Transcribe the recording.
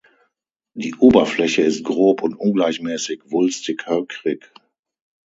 Die Oberfläche ist grob und ungleichmäßig wulstig-höckrig.